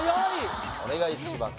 お願いします